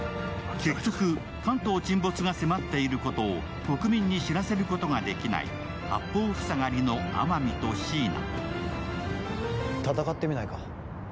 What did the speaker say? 結局、関東沈没が迫っていることを国民に知らせることができない八方塞がりの天海と椎名。